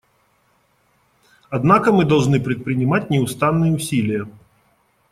Однако мы должны предпринимать неустанные усилия.